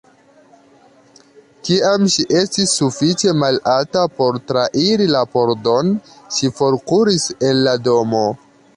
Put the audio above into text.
Kiam ŝi estis sufiĉe malalta por trairi la pordon, ŝi forkuris el la domo.